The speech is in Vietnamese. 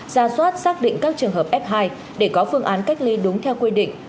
ra soát xác định các trường hợp f hai để có phương án cách ly đúng theo quy định